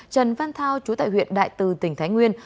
trần văn thao chú tại huyện đại từ tỉnh thái nguyên